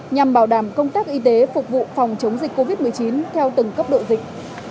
nhằm bảo đảm công tác y tế phục vụ phòng chống dịch covid một mươi chín theo từng cấp độ dịch